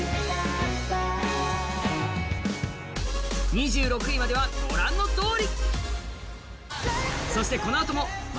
２６位まではご覧のとおり。